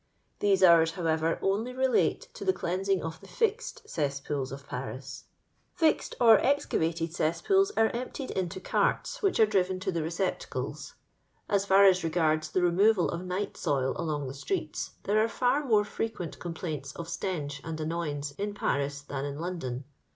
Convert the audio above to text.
These hours, howi0er, only relate to the cleanmng of the fixed cesspools of Paris. Plxed or ezcsYated ceespools are emptied into carts, which are driven to the receptiudes. As far as regards the remofal of night soil slong the streets, thdit are te more fireonent complaints of stench and annoyanee in Paris than in London.